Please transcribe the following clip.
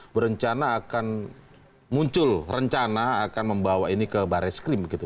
berencana akan muncul rencana akan membawa ini ke baris krim gitu